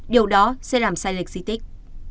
điều đó sẽ làm sai lệch di tích